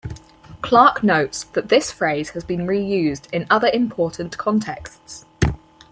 Clarke notes that this phrase has been reused in other important contexts.